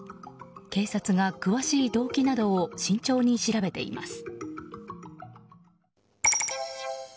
警察が詳しい動機などを慎重に調べています。